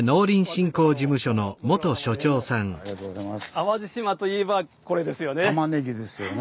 淡路島といえばこれですよね！